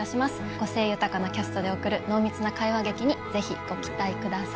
個性豊かなキャストで贈る濃密な会話劇にぜひご期待ください